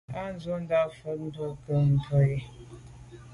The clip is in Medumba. O, ndù nda’ fotmbwe nke mbèn mbwe ké.